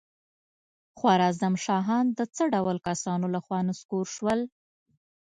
خوارزم شاهان د څه ډول کسانو له خوا نسکور شول؟